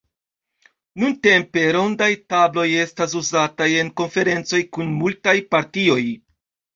Nuntempe rondaj tabloj estas uzataj en konferencoj kun multaj partioj.